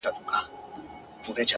هغې بېگاه زما د غزل کتاب ته اور واچوه ـ